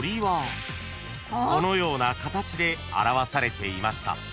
［このような形で表されていました］